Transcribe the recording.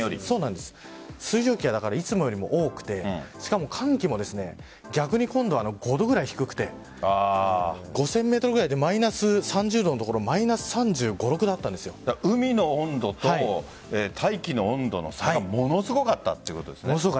水蒸気がいつもよりも多くてしかも寒気も逆に今度は５度くらい低くて５０００ｍくらいマイナス３０度の所海の温度と大気の温度の差がものすごかったということですね。